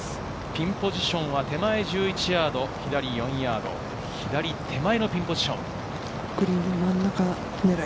ピンポジションは手前１１ヤード、左４ヤード、左手前のピンポジション。